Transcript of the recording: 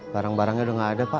barang barangnya sudah tidak ada pak